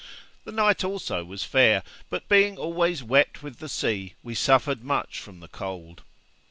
The night also was fair; but being always wet with the sea, we suffered much from the cold.